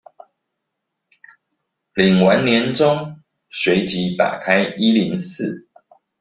領完年終隨即打開一零四